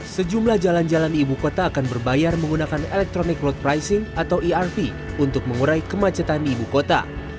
sejumlah jalan jalan ibu kota akan berbayar menggunakan electronic road pricing atau erv untuk mengurai kemacetan di ibu kota